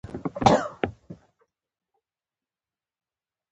مسلمانو دکاندارانو د خوښۍ څرګندونه کوله.